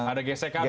ada gesekan gitu